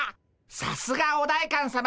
さすがお代官さま。